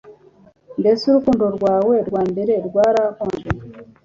Mbese urukundo rwawe rwa mbere rwarakonje?